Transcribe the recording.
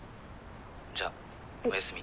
じゃおやすみ。